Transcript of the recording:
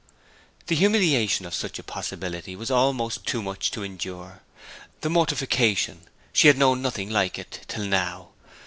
The humiliation of such a possibility was almost too much to endure; the mortification she had known nothing like it till now.